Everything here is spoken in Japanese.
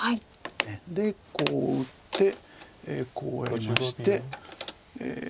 でこう打ってこうやりまして。